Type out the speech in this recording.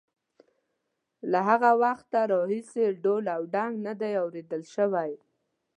له هغه وخته راهیسې ډول او ډنګ نه دی اورېدل شوی.